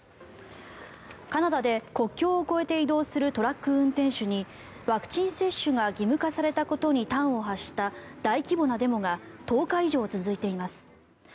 カナダで国境を越えて移動するトラック運転手にワクチン接種が義務化されたことに端を発した大規模なデモが１０日以上続いています。